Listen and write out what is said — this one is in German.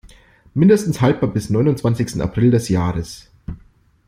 Mindestens haltbar bis neunundzwanzigten April des Jahres.